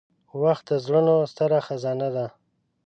• وخت د زړونو ستره خزانه ده.